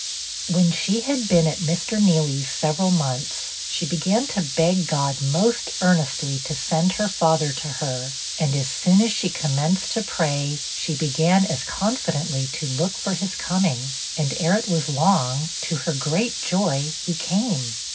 When she had been at Mr. Nealy's several months, she began to beg God most earnestly to send her father to her, and as soon as she commenced to pray, she began as confidently to look for his coming, and, ere it was long, to her great joy, he came.